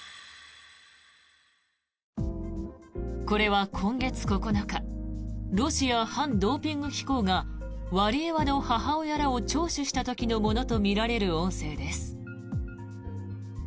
これは今月９日ロシア反ドーピング機構がワリエワの母親らを聴取した時のものとみられる音声です。